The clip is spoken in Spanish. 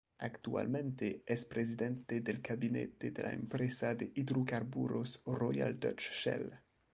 Actualmente es presidente del gabinete de la empresa de hidrocarburos Royal Dutch Shell.